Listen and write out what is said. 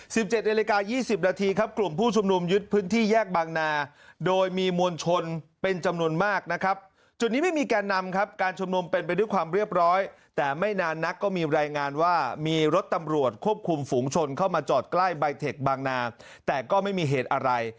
สิบเจ็ดนาฬิกายี่สิบนาทีครับกลุ่มผู้ชุมนุมยึดพื้นที่แยกบางนาโดยมีมวลชนเป็นจำนวนมากนะครับจุดนี้ไม่มีแกนนำครับการชุมนุมเป็นไปด้วยความเรียบร้อยแต่ไม่นานนักก็มีรายงานว่ามีรถตำรวจควบคุมฝูงชนเข้ามาจอดใกล้ใบเทคบางนาแต่ก็ไม่มีเหตุอะไร